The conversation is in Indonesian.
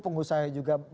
pengusaha juga bahagia